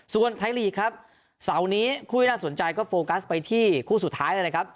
ส่วนไทยลีกครับเสาร์นี้คู่ที่น่าสนใจก็โฟกัสไปที่คู่สุดท้ายเลยนะครับ